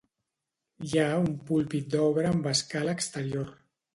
Hi ha un púlpit d'obra amb escala exterior.